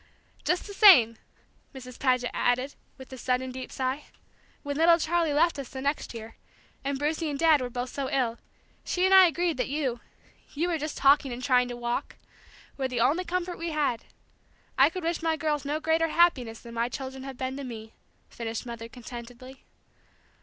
"Just the same," Mrs. Paget added, with a sudden deep sigh, "when little Charlie left us, the next year, and Brucie and Dad were both so ill, she and I agreed that you you were just talking and trying to walk were the only comfort we had! I could wish my girls no greater happiness than my children have been to me," finished Mother, contentedly.